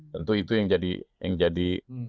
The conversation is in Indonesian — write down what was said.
tentu itu yang jadi